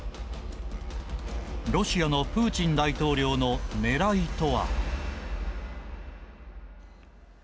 ロシアのプーチン大統領の狙いとは。